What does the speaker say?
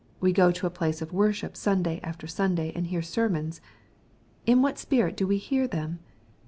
We go to a place of worship Sunday after Sunday, and hear sermons. In what spirit do we hear them